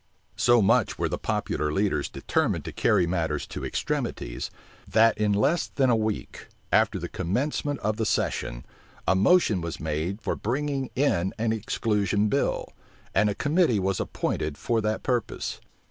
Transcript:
So much were the popular leaders determined to carry matters to extremities, that in less than a week after the commencement of the session, a motion was made for bringing in an exclusion bill, and a committee was appointed for that purpose.